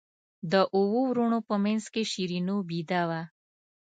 د اوو وروڼو په منځ کې شیرینو بېده وه.